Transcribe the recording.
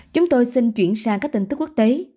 chúng tôi xin chuyển sang các tin tức quốc tế